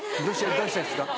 どうしてですか？